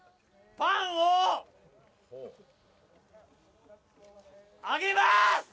パンをあげますよ